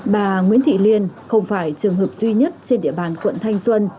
bà nguyễn thị liên không phải trường hợp duy nhất trên địa bàn quận thanh xuân